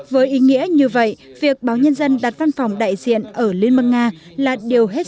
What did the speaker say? với ý nghĩa như vậy việc báo nhân dân đặt văn phòng đại diện ở liên bang nga là điều hết